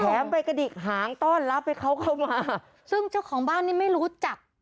ไปกระดิกหางต้อนรับให้เขาเข้ามาซึ่งเจ้าของบ้านนี่ไม่รู้จัก